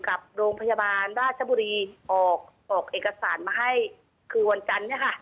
กับโรงพยาบาลราชบุรีออกเอกสารมาให้คือวันจันทร์